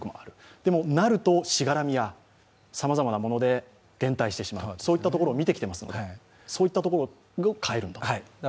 でも、なるとしがらみやさまざまなもので減退してしまう、そういったところを見てきてますんで、そういったところをどう変えるのか。